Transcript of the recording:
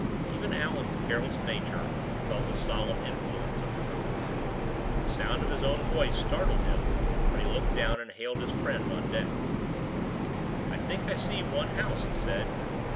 Even Allan's careless nature felt the solemn influence of the time. The sound of his own voice startled him when he looked down and hailed his friend on deck. "I think I see one house," he said.